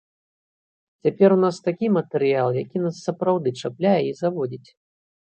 Цяпер у нас такі матэрыял, які нас сапраўды чапляе і заводзіць.